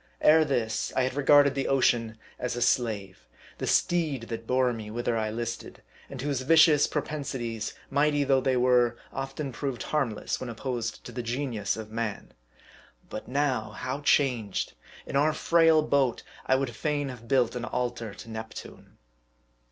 Ere this, I had regarded the ocean as a slave, the steed that bore me whither I listed, and whose vicious propensities, mighty though they were, often proved harmless, when opposed to the genius of man. But now, how changed ! In our frail boat, I would fain have built an altar to Neptune.